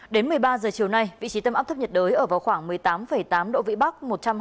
đến một mươi ba h chiều nay vị trí tâm áp thấp nhiệt đới ở vào khoảng một mươi tám tám độ vĩ bắc